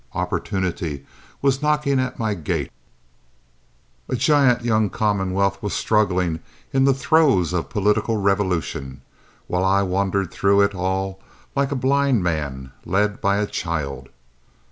Opportunity was knocking at my gate, a giant young commonwealth was struggling in the throes of political revolution, while I wandered through it all like a blind man led by a child.